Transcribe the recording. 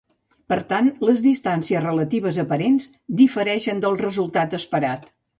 Per tant, les distàncies relatives aparents difereixen del resultat esperat.